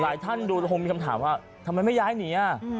ท่านดูแล้วคงมีคำถามว่าทำไมไม่ย้ายหนี